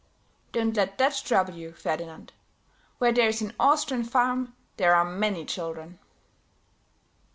"Don't let that trouble you, Ferdinand; where there's an Austrian farm there are many children."